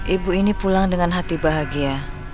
ibu ini pulang dengan hati bahagia